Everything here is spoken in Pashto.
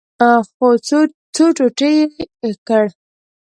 څو ټوټې یې کړ.